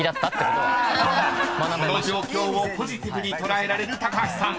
［この状況をポジティブに捉えられる高橋さん